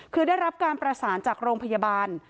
คือได้รับการประสานจากโรงพยาบาล